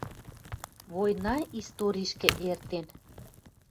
Война историшкӹ эртен.